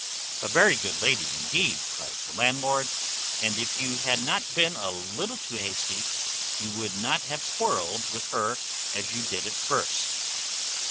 "A very good lady indeed!" cries the landlord; "and if you had not been a little too hasty, you would not have quarrelled with her as you did at first."